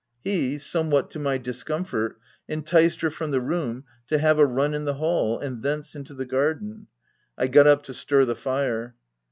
He, somewhat to my discomfort, enticed her from the room to have a run in the hall; and, thence, into the garden. I got up to stir the fire.